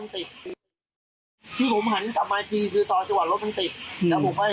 พี่ผมหันสมาชีคือสตจรพังติด